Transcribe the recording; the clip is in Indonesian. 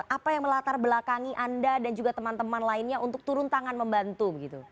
apa yang melatar belakangi anda dan juga teman teman lainnya untuk turun tangan membantu begitu